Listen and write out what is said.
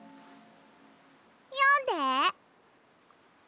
よんで。